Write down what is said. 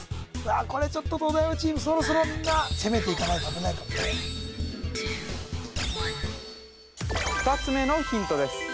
これちょっと東大王チームそろそろみんな攻めていかないと危ないかもね２つ目のヒントです